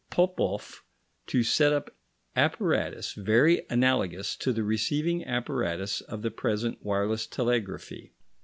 Popoff, to set up apparatus very analogous to the receiving apparatus of the present wireless telegraphy.